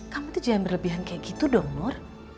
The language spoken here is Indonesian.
kamu itu jangan berlebihan kayak gitu dong nur